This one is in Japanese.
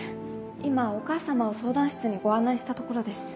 今お母様を相談室にご案内したところです。